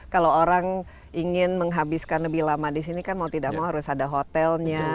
kalau orang ingin menghabiskan lebih lama di sini kan mau tidak mau harus ada hotelnya